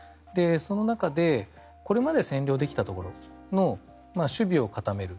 その中でこれまで占領できたところの守備を固める。